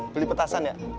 beli petasan ya